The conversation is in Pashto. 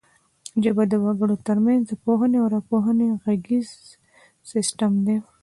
ژبه د وګړو ترمنځ د پوهونې او راپوهونې غږیز سیستم دی